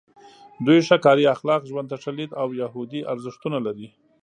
دوی ښه کاري اخلاق، ژوند ته ښه لید او یهودي ارزښتونه لري.